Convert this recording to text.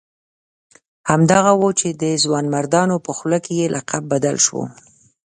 همدغه وو چې د ځوانمردانو په خولو کې یې لقب بدل شو.